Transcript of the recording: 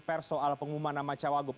di persoal pengumuman nama cowok gub